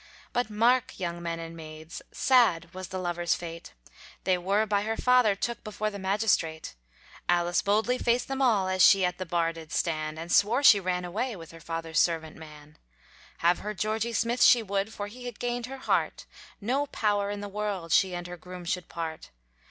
But mark! young men and maids, Sad was the lovers' fate; They were by her father took Before the magistrate; Alice boldly faced them all, As she at the Bar did stand, And swore she ran away With her father's servant man. Have her Georgy Smith she would For he had gained her heart; No power in the world, She and her groom should part.